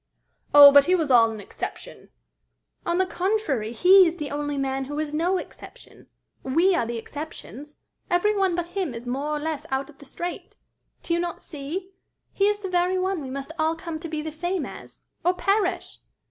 "Oh, but he was all an exception!" "On the contrary, he is the only man who is no exception. We are the exceptions. Every one but him is more or less out of the straight. Do you not see? he is the very one we must all come to be the same as, or perish!